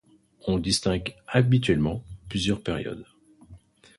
On distingue habituellement plusieurs périodes.